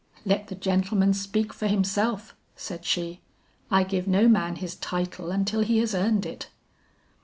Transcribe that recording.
'Let the gentleman speak for himself,' said she, 'I give no man his title until he has earned it.'